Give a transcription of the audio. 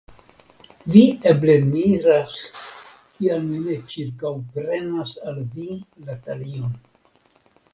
Vi eble miras, kial mi ne ĉirkaŭprenas al vi la talion.